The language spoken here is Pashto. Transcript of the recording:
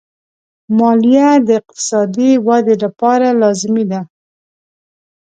مالیه د اقتصادي ودې لپاره لازمي ده.